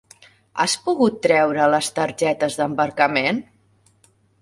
Has pogut treure les targetes d'embarcament?